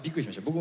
僕